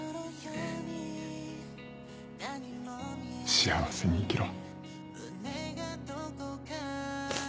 幸せに生きろ。